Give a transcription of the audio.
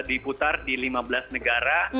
diputar di lima belas negara